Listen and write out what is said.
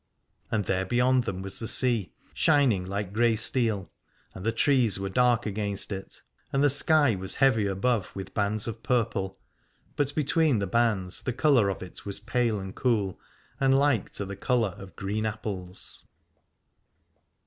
And there beyond them was the sea, shining like grey steel, and the trees were dark against it; and the sky was heavy above with bands of purple, but between the bands the colour of it was pale and cool, and like to the colour of green apples.